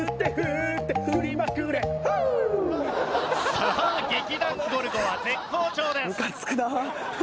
さあ劇団ゴルゴは絶好調です。